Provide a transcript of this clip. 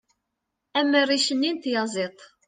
am rric-nni n tyaziḍt